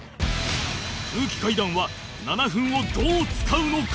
空気階段は７分をどう使うのか？